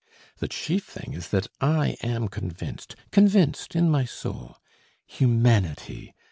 The chief thing is that I am convinced, convinced in my soul. Humanity